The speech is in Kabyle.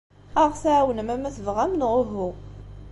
Ad aɣ-tɛawnem, ama tebɣam neɣ uhu.